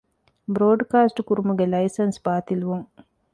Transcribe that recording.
ބްރޯޑްކާސްޓްކުރުމުގެ ލައިސަންސް ބާޠިލްވުން